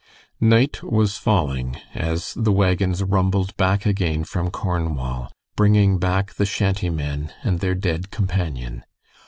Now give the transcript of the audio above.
Night was falling as the wagons rumbled back again from Cornwall, bringing back the shantymen and their dead companion.